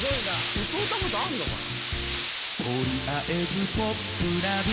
歌うたことあんのかな？